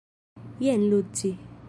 Jen Luci.